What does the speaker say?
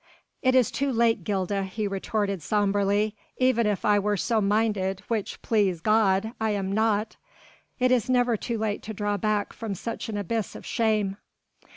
"It is too late, Gilda," he retorted sombrely, "even if I were so minded, which please God! I am not." "It is never too late to draw back from such an abyss of shame."